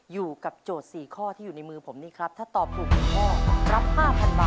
อยู่กับโจทย์๔ข้อที่อยู่ในมือผมนี่ครับถ้าตอบถูกหนึ่งข้อรับ๕๐๐๐บาร์